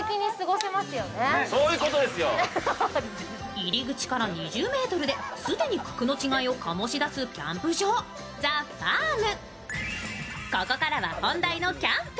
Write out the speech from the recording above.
入り口から２０ｍで既に格の違いを醸し出すキャンプ場、ＴＨＥＦＡＲＭ。